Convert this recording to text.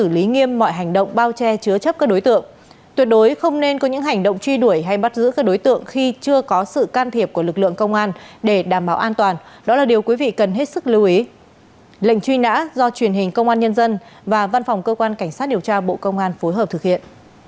lệnh truy nã do truyền hình công an nhân dân và văn phòng cơ quan cảnh sát điều tra bộ công an phối hợp thực hiện